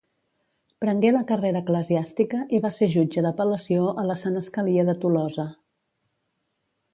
Prengué la carrera eclesiàstica i va ser jutge d'apel·lació a la senescalia de Tolosa.